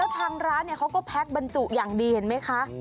ทางร้านเนี่ยเขาก็แพ็คบรรจุอย่างดีเห็นมั้ยคะ